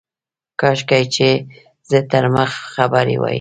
کاشکي چي زه تر مخ خبر وای.